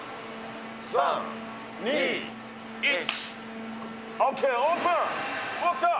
３、２、１。ＯＫ、オープン！